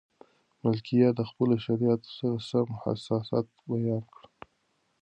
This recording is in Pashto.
ملکیار د خپلو شرایطو سره سم احساسات بیان کړي.